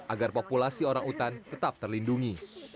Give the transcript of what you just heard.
agar populasi orang hutan tetap terlindungi